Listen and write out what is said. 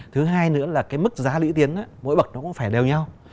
thứ hai nữa là cái mức giá lũy tiến mỗi bậc nó cũng phải đều nhau